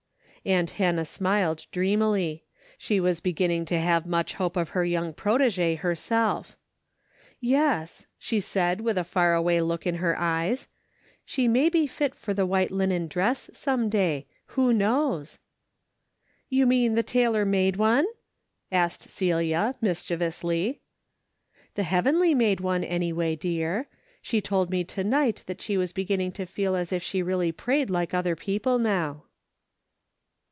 Aunt Hannah smiled dreamily. She was beginning to have much hope of her young protegee herself. "Yes," she said, with her far away look in her eyes, " she may be fit for the white linen dress ^ome day. Who knows ?" "You mean the tailor made one?" asked Cecil, mischievousl}". "The heavenly made one, anyway, dear. She told me to night that she was beginning to feel as if she really prayed like other people now."